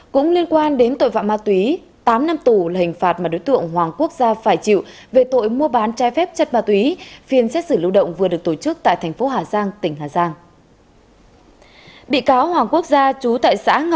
cũng liên quan đến tội phạm ma túy tám năm tù là hình phạt mà đối tượng hoàng quốc gia phải chịu về tội mua bán trái phép chất ma túy phiên xét xử lưu động vừa được tổ chức tại thành phố hà giang tỉnh hà giang